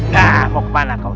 nah mau kemana kau